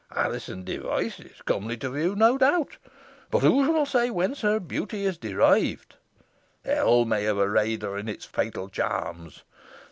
Alizon Device is comely to view, no doubt, but who shall say whence her beauty is derived? Hell may have arrayed her in its fatal charms.